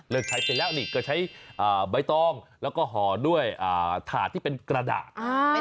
ใช้ไปแล้วนี่ก็ใช้ใบตองแล้วก็ห่อด้วยถาดที่เป็นกระดาษ